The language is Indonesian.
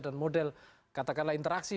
dan model katakanlah interaksi